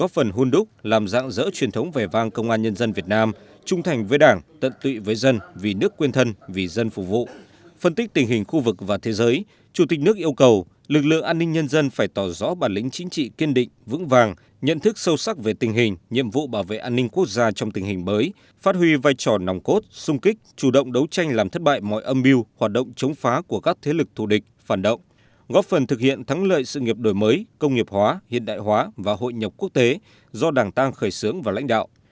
phân tích tình hình khu vực và thế giới chủ tịch nước yêu cầu lực lượng an ninh nhân dân phải tỏ rõ bản lĩnh chính trị kiên định vững vàng nhận thức sâu sắc về tình hình nhiệm vụ bảo vệ an ninh quốc gia trong tình hình mới phát huy vai trò nòng cốt sung kích chủ động đấu tranh làm thất bại mọi âm mưu hoạt động chống phá của các thế lực thù địch phản động góp phần thực hiện thắng lợi sự nghiệp đổi mới công nghiệp hóa hiện đại hóa và hội nhập quốc tế do đảng tăng khởi xướng và lãnh đạo